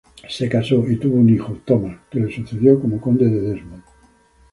Se casó y un hijo, Thomas, que le sucedió como Conde de Desmond.